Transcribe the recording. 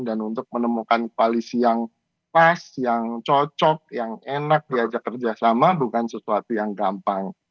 dan untuk menemukan koalisi yang pas yang cocok yang enak diajak kerjasama bukan sesuatu yang gampang